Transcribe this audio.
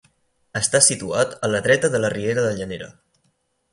Està situat a la dreta de la riera de Llanera.